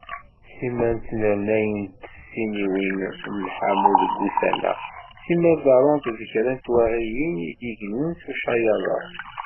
Simal ttnernayent tfesniwin n lḥamu deg wussan-a, simal ḍerrunt-d kra n twaɣiyin i d-igellu ucayaḍ-a.